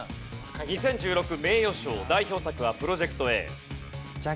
２０１６名誉賞代表作は『プロジェクトＡ』。